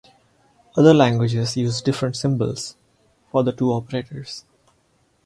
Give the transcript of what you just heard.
Other languages use different symbols for the two operators.